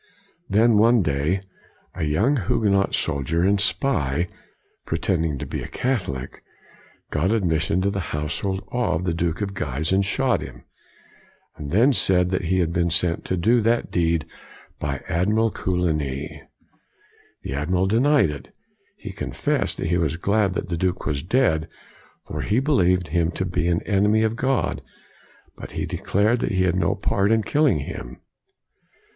Then, one day, a young Huguenot sol dier and spy, pretending to be a Catholic, got admission to the household of the Duke of Guise and shot him, and then said that he had been sent to do that deed by Admiral Coligny. The Admiral de nied it. He confessed that he w r as glad that the Duke was dead, for he believed him to be an enemy of God, but he de clared that he had no part in killing him.